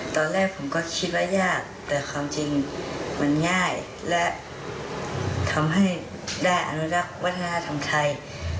ตอนแรกผมก็คิดว่ายากแต่ความจริงมันง่ายและทำให้ได้อนุรักษ์วัฒนธรรมไทย